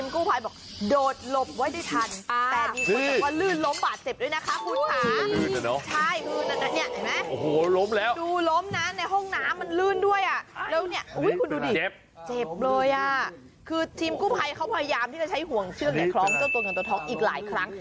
ก็โดดลบไว้ไม่ได้ทัน